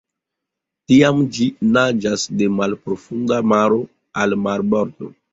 Tiam ĝi naĝas de malprofunda maro al marbordo.